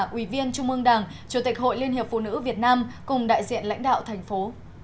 ủy viên trung ương đảng chủ tịch hội liên hiệp phụ nữ việt nam cùng đại diện lãnh đạo thành phố